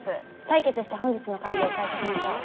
採決して本日の会議を開始しましょう。